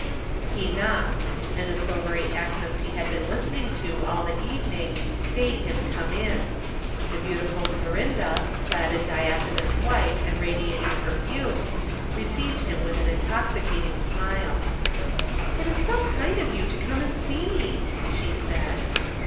He knocked, and the silvery accents he had been listening to all the evening bade him come in. The beautiful Clorinda, clad in diaphanous white and radiating perfumes, received him with an intoxicating smile. "It is so kind of you to come and see me," she said.